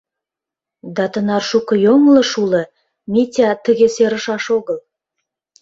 Да тынар шуко йоҥылыш уло, Митя тыге серышаш огыл.